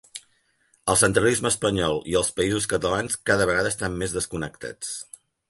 El centralisme espanyol i els Països Catalans cada vegada estan més desconnectats